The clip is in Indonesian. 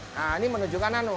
nah ini menunjukkan nano